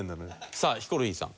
さあヒコロヒーさん。